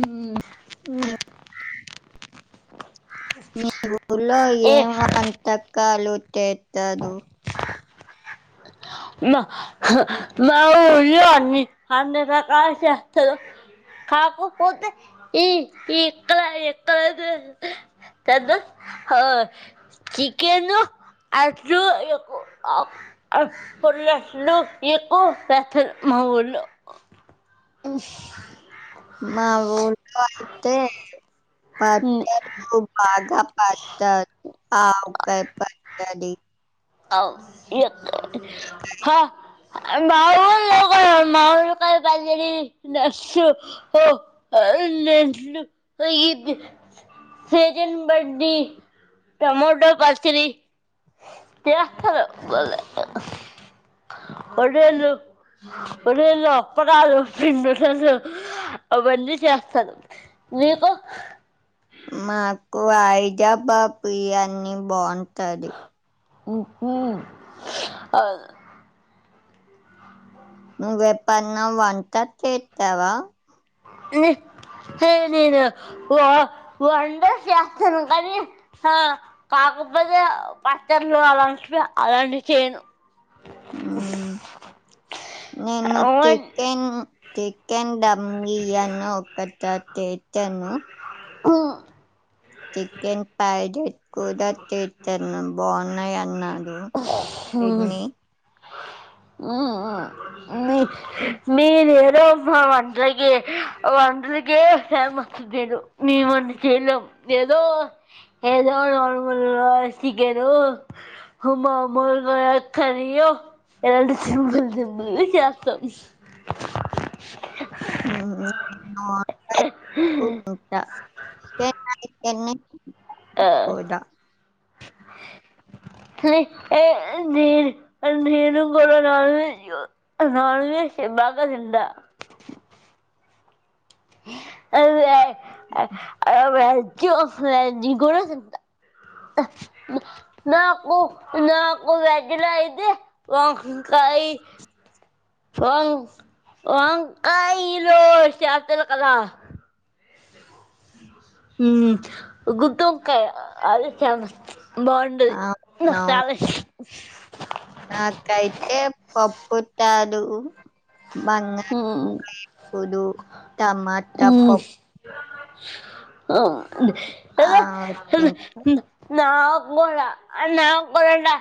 ఉమ్ ఉమ్ మీ ఊర్లో ఏ ఏం అంటాకాలు తెత్తదు మా మా ఊర్లో అన్నీ రకాలు చేస్తారు కాకపోతే ఈ ఈ ఇక్కడ ఎక్కడదు పెద్ద అ చికెన్ ఆట్లు పులట్లూ ఎక్కువ చేస్తారు మా ఊళ్ళో మా ఊల్లో అయితే ఉమ్, పచ్చళ్ళు బాగా పచ్చ ఆవకాయ పచ్చడి అవు ఇ హా మా ఊళ్ళో కూడా మామిడికాయ్ [unintelligible] సీజన్ బడ్డి టమాోటో పచీ [unintelligible] ఒడియాలు అప్పడాలు [unintelligible] అవన్నీ చేస్తారు నీకు మాకు అయిజబాపు ఇగ అన్ని బాగుంటది ఆ, నువ్వు ఎప్పుడన్న వంట చేసావా ఉమ్ చెయ్యునెను వ వంట చేస్తాను కానీ ఆ క కాకపోతే పచ్చళ్ళు అలాంటి అలాంటివి చేయను ఉమ్ నేను వన్- చికెన్ చికెన్ డప్ ఉమ్ అన్ని ఒకసారి చేశాను ఉమ్ చికెన్ పైట్ కూడా చేస్తాను బాగున్నాయి అన్నాడు తిడ్ని హ్మ్. మీరేం వంటలకి వంటలకే ఫేమస్ నేను మేం వంట చేయలేం ఏదో ఏదో ఒక ఎలాంటి సింపుల్ సింపుల్ది చేస్తాం ఉమ్ చేసాను ఈ అన్ని ఆ హే ఏ నేను కూడా నాన్వేజ్ నాన్వెజ్ చెస్ బా బాగా తిండా అదే అ అవ్ ఓఫ్లై జిగోనసంత నాకు నాకు వెజ్ లా అయితే వంక కాయి ఫం వంకాయి లో చేతలు కద ఉమ్ గుత్తంకాయ అది ఫేమస్ బాగుండది ఇంగ అవునవును. ఫ్యాలస్ కొత్తాదు మ్, బంగాళదుంప వేపుడు టమాట పప్పు హ ఎలా ఆహ్, ఎల్ తింటా. ఇంగ నా కూడా నా కూడా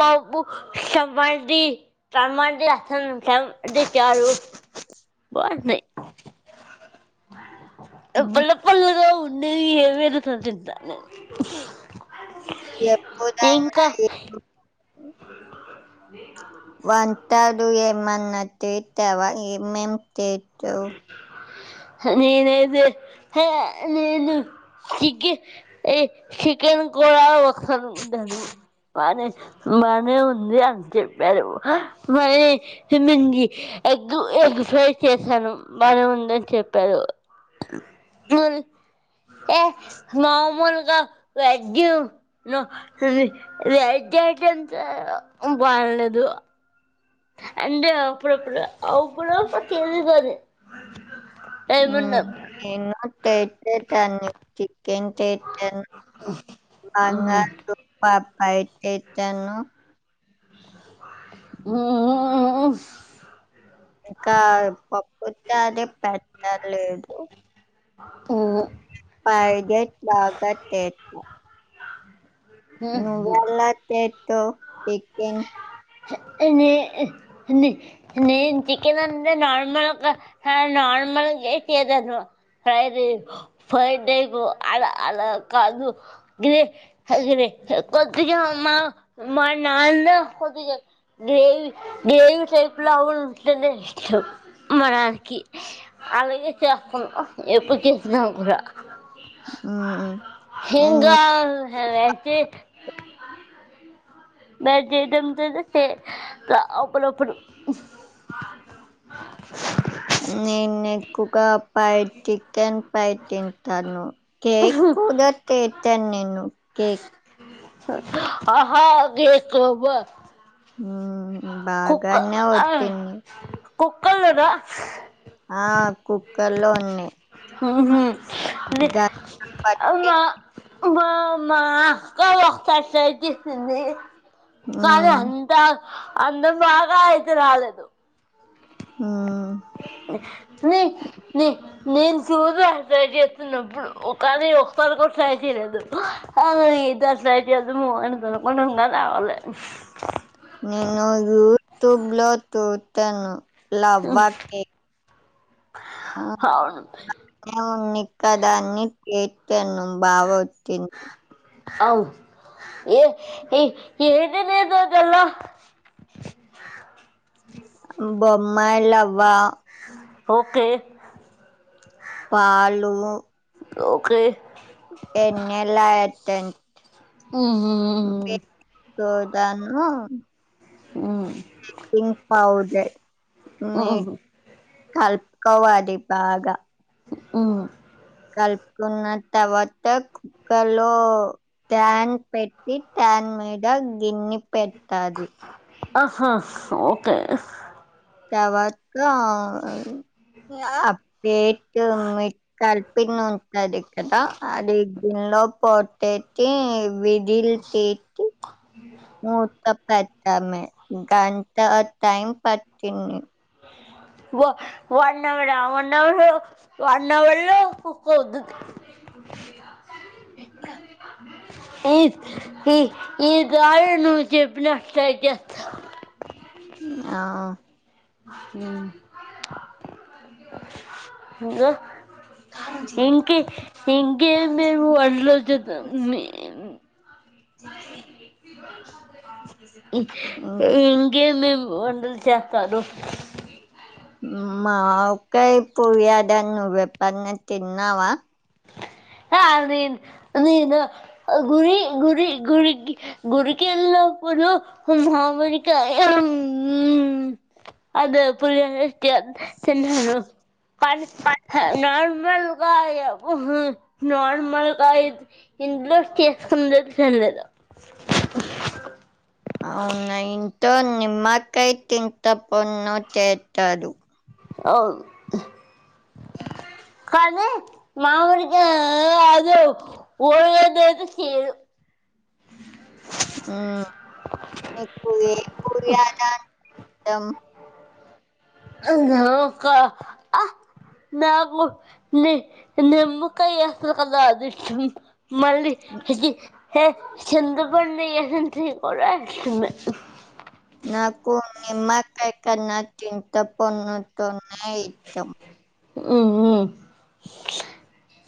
పప్పు సంభల్ది టమాటాలు ఏస్తన్నం టం బాగుంటుంది హ్మ్. పుల్ల పుల్లగా ఉం నేను ఏవేర్లతోని మరుత తింటాను నీకు ఇంకా చెప్పుతన్నఇపు అ తడు ఏమన్నా చేతవ ఏమేం చేతవ్ నేనైతే హ నేను చికె ఏ చికెన్ కూడా ఒకసారి వండాను బానే బానే ఉంది అని చెప్పారు మరి ఏమైంది ఎగ్ ఎగ్ ఫ్రై చే సాను బాగానే ఉందని చెప్పారు మరి ఏ మాములుగా వెజ్ లో తుది వెజ్ డేట్ ఎంత బాగులేదు అంటే అప్పుడుప్పుడు అప్పుడప్పుడు తెలిదది ఆ ఎంగాదు తెల్తది దాని చి ఇంకేంచేతనవ్ బంగారు పప్ బయటేతను అ ఇంకా పప్పు చారు పెట్టలేదు తినను ఎట్ల గటె ట్ల ను వెలా చేతవ్ చికెన్ అనే హాని నేను చికెన్ అంటే నార్మల్ గా ఒక హా నార్మ ల్ గా ఏసి చేతను ఫైరి ఫైడేకు అలా అలా కాదు గిది హల్గిరి కొద్దిగా మా మా నాన్న కొద్దిగా గ్రేవి గ్రేవి టైపులాగునా ఉంటనే ఇష్టం మా నాన్న కి అలాగే చేస్తాను ఎప్పుడు చేసినా కూడా హ్మ్. నేను హింగా న్వేంటి బయట ఏది దొమ్తదో ఫె ట్ల అప్పుడుప్పుడు నేను ఎక్కువగా పైట్ చికెన్ పై తింటాను కేక్ ఎక్కువగా చెత్త నేను కేక్ ఆహా గే స్లో బ హ్మ్. కుక్క బాగానే ఆ వచ్చింది. కుక్కళ్ళు రా ఆ కుక్కల్లో ఉన్నాయి ఉహు నే గణపతి అవునా మా మా అక్క ఒకసారి ఫ్రై చేసింది కాని హ్మ్. అంత అందం బాగా అయితే రాలేదు హు నీ నీ నేను సుదు సై చెప్తున్నప్పుడు కాని ఒక్కరు కూడా ట్రై చేయలేదు [inaudible] నేను యూట్యూబ్ లో చూతాను లావవా కేక్ హు అవును ఉందిక్క అని కేక్ ఐ నో మా బావ వచ్చిండు అవు ఏ ఏ ఏది లేదు జాలో బొంబాయి లావ్వ ఓకే పాలు ఓకే ఎ నలా టెన్ ఉహు హు హు తోదాను పింక్ పౌడర్ మీ కలుపుకోవాలి బాగా హు కలుపుకున్న తర్వాత కుక్కర్ లో ట్యాన్ పెట్టి ట్యాన్ మీద గిన్ని పెట్టలి ఆహా ఓకే తవాత ఇగ పెకు మెక్కాలి పిన్ ఉంటది కదా అది గిన్నెలో పోటసి దిల్ తికి మూతపేట తామే గంట టైం పట్టింది వ one hour one hour one hour లో కుక్కు వద్దు ఇ ఈ ఈ ఈ గాలి నువ్వు చెప్పినట్ ట్రై చేస్తా ఆహా [inaudible] ఇంకే ఇంకే మేమువళ్ళు [inaudible] చెప్ప [inaudible] ఇంకే మేము వంటలు చేస్తారు మా ఒకా పోయిడు నువ్వ ఎపు అన్న తిన్నావా ఆది నేను గురి గురి గుడికి గుడికి ఏలినప్పు ప మహమరికాయ హు హు అదే పులి తిన్నాను ప నర్మల్గా ఉహు నార్మల్గా ఇంట్లో చేసుకుందే సలేదు అవునా ఇంతో నిమ్మ కాయా తింతటఅప్పుడు నో చేతడు ఆవు కాని మామడికాయా గాదు ఓవర్ చేతికి ఇయడు ఆహా మీకు ఎకు [inaudible] ఎం మ్ గా ఒక ఆ నాకు ని నిమ్మకాయ వస్తకద అదిష్టమీ మళ్ళీ చి ఛీ [unintelligible] [inaudible] [inaudible] [unintelligible] ఉమ్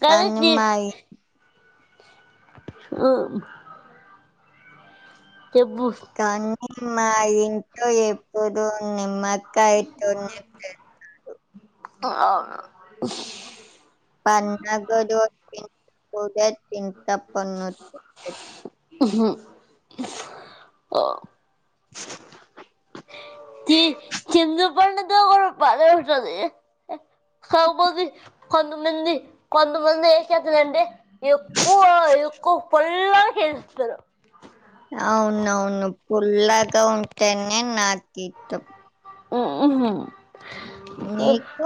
కన్నమ్మయి ఆ చెప్పు కానీ మా ఇంట్లో ఎప్పుడు నిమ్మకాయ తోని చేస్తారు అవున పండగ రోజు [inaudible] [unintelligible] ఆ చెందు పణ [inaudible] కాకపోతే కొంత మంది కొంత మంది ఏం చేస్తారంటే ఎక్కువ ఎక్కువ ఫల్లా హారు అవునవును పుల్లాగా ఉంటేనే నాకు ఇతం ఉమ్ నీకు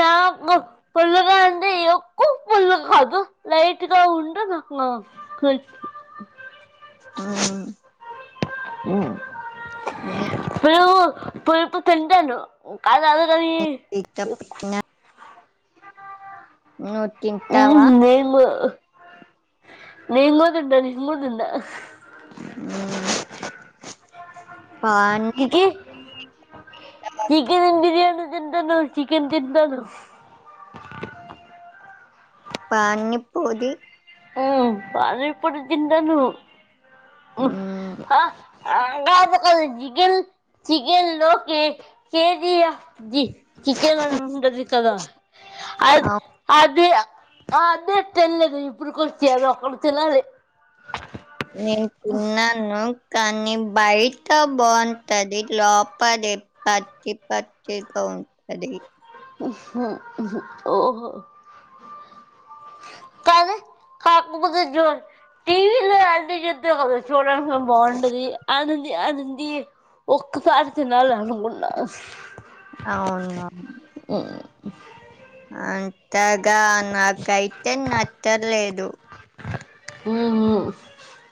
నాకు పుల్లగా అంటే ఎక్కువ పుల్లగా గా కాదు లైట్ గా ఉండ నాకు ఆ ఉ ఆ పులుపు తింటాను అందుకని ఎక్కువ చింతపండు నువ్వు ఉమ్ తింటావా? మీకు కూడా నేను కూడా తింట నేను కూడా తింట ఆ [inaudible] చికన్ బిర్యాను తింటాను చికెన్ తింటాను పానిపురి ఉమ్ పానిపురి తింటాను హ్మ్. ఆ చికెన్ చికెన్ లోకి [inaudible] జీ చికెన్ ఉంటది కదా అది అది ఆ అదే తెల్యదు ఇప్పుడుకి వచ్చ అద అక్కడు తెలియదు [inaudible] తన్నాను కానీ బయట బాగుంటది లోపది ఎప్ప పచ్చి పచ్చిగా ఉంటది ఓహో [inaudible] టీవీలో అన్ని చెద్దా కదా చూడడానికి బాగుండది అనంది అనంది ఒక్క సరే తినాలి అనుకూన అవును ఉమ్ అంతగా నాకైతే నచ్చర్లేదు ఉమ్